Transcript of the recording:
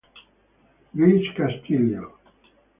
Luis Castillo